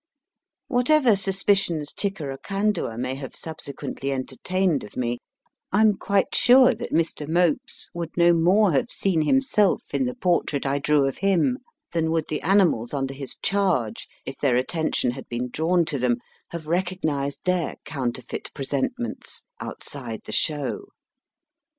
Whatever suspicions Tickeracandua may have subsequently entertained of me, I am quite sure that Mr. Mopes would no more have seen himself in the portrait I drew of him than would the animals under his charge, if their attention had been drawn to them, have recognised their counterfeit presentments outside the show.